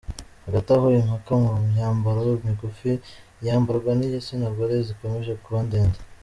Hagati aho impaka mu myambaro migufi yambarwa n’igitsina gore zikomeje kuba ndende.